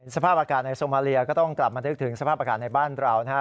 สภาพอากาศในโซมาเลียก็ต้องกลับมานึกถึงสภาพอากาศในบ้านเรานะฮะ